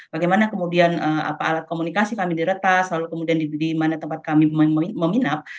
bagaimana kemudian alat komunikasi kami diretas lalu kemudian di mana tempat kami meminap